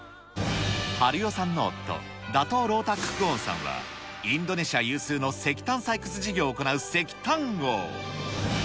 晴代さんの夫、ダトー・ロー・タック・クォーンさんは、インドネシア有数の石炭採掘事業を行う石炭王。